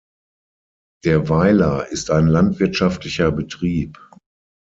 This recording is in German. Der Weiler ist ein landwirtschaftlicher Betrieb.